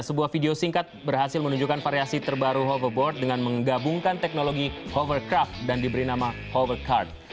sebuah video singkat berhasil menunjukkan variasi terbaru hoverboard dengan menggabungkan teknologi hovercraft dan diberi nama hovercard